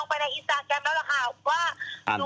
ทุกคนน่าจะติดธรรกิจหรือไปเที่ยวอะไรอย่างนี้